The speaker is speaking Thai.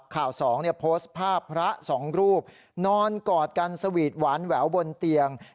สองโพสต์ภาพพระสองรูปนอนกอดกันสวีทหวานแหววบนเตียง